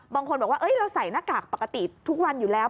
บางคนบอกว่าเราใส่หน้ากากปกติทุกวันอยู่แล้ว